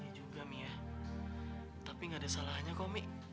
ini juga nih ya tapi gak ada salahnya kok mi